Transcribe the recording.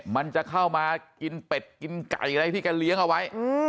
มันจะเข้ามากินเป็ดกินไก่อะไรที่แกเลี้ยงเอาไว้